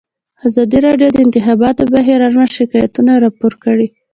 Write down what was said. ازادي راډیو د د انتخاباتو بهیر اړوند شکایتونه راپور کړي.